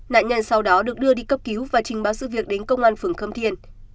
nạn nhân sau đó được đưa đi cấp cứu và trình báo sự việc đến công an phường khâm thiên